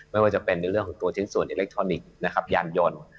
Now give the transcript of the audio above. ไม่ว่าจะเป็นในเรื่องของตัวชิ้นส่วนอิเล็กทรอนิกส์นะครับยานยนต์